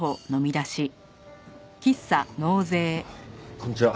こんにちは。